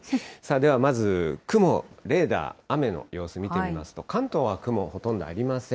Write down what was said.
ではまず雲、レーダー、雨の様子見てみますと、関東は雲、ほとんどありません。